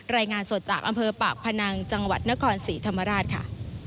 รายงานสดจากอำเภอปากพนังจังหวัดนครศรีธรรมราชค่ะ